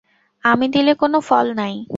আমি দিলে কোনো ফল নাই।